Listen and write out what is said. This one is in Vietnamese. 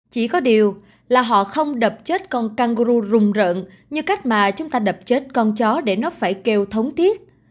chỉ có điều là họ không đập chết con căng gu rùng rợn như cách mà chúng ta đập chết con chó để nó phải kêu thống tiết